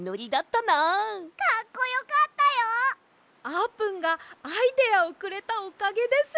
あーぷんがアイデアをくれたおかげです。